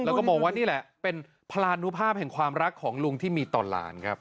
แล้วก็มองว่านี่แหละเป็นพลานุภาพแห่งความรักของลุงที่มีต่อหลานครับ